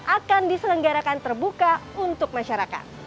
akan diselenggarakan terbuka untuk masyarakat